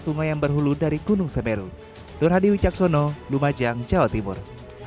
sungai yang berhulu dari gunung semeru nur hadi wicaksono lumajang jawa timur